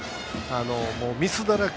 ミスだらけ。